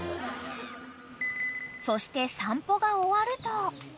［そして散歩が終わると］